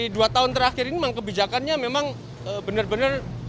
di dua tahun terakhir ini memang kebijakannya memang bener bener